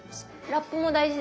ラップも大事ですか？